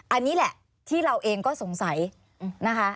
อันนี้แหละที่เราเองก็สงสัยนะคะ